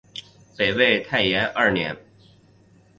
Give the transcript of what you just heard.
北魏太延二年。